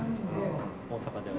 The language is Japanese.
大阪では？